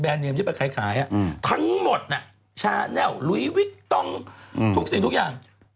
เนมที่ไปขายทั้งหมดชาแนลุยวิกต้องทุกสิ่งทุกอย่าง